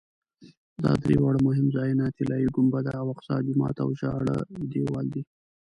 دا درې واړه مهم ځایونه طلایي ګنبده او اقصی جومات او ژړا دیوال دي.